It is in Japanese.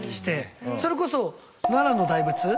それこそ奈良の大仏は。